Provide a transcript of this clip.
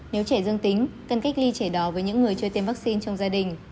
nếu trẻ dương tính cần cách ly trẻ đó với những người chưa tiêm vaccine trong gia đình